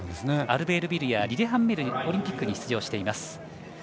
アルベールビルリレハンメルオリンピックに出場しています。